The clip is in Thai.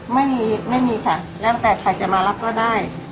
ไม่มีไม่มีค่ะแล้วแต่ใครจะมารับก็ได้